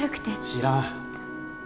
知らん。